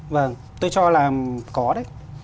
vâng tôi cho là có đấy